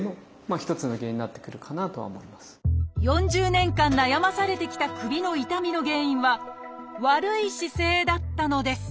４０年間悩まされてきた首の痛みの原因は悪い姿勢だったのです。